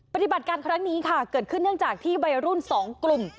ปฏิบัติการครั้งนี้ค่ะเกิดขึ้นเนื่องจากที่วัยรุ่น๒กลุ่ม